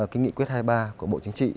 cái nghị quyết hai mươi ba của bộ chính trị